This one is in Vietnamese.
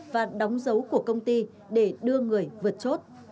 và đóng dấu của công ty để đưa người vượt chốt